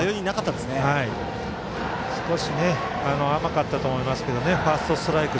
少し甘かったと思いますけどファーストストライク